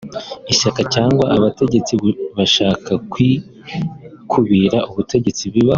ishyaka cyangwa abategetsi bashaka kwikubira ubutegetsi bibaho